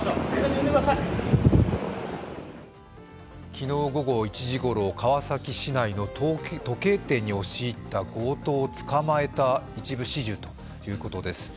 昨日午後１時ごろ、川崎市内の時計店に押し入った強盗を捕まえた一部始終ということです。